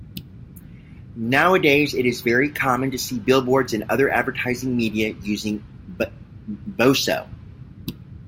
Nowadays it is very common to see billboards and other advertising media using "voseo".